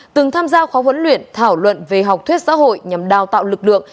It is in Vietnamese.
từng tham gia khóa huấn luyện thảo luận về học thuyết xã hội nhằm đào tạo lực lượng